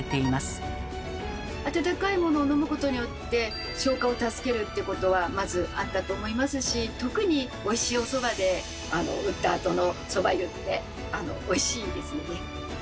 温かいものを飲むことによって消化を助けるっていうことはまずあったと思いますし特においしいおそばで打ったあとのそば湯っておいしいですよね。